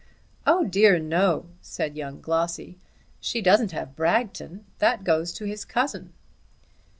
"Oh, dear no," said young Glossy. "She doesn't have Bragton. That goes to his cousin."